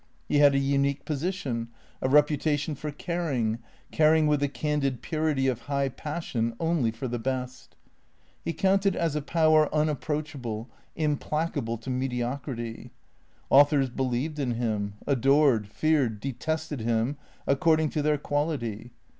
He had a unique position, a reputa tion for caring, caring with the candid purity of high passion, only for the best. He counted as a power unapproachable, im placable to mediocrity. Authors believed in him, adored, feared, detested him, according to their quality.